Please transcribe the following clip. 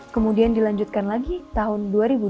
kemudian dilanjutkan lagi tahun